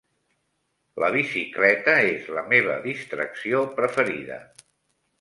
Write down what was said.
La bicicleta és la meva distracció preferida.